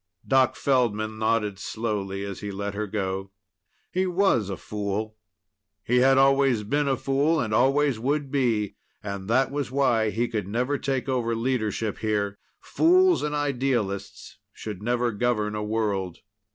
Doc Feldman nodded slowly as he let her go. He was a fool. He had always been a fool, and always would be. And that was why he could never take over leadership here. Fools and idealists should never govern a world.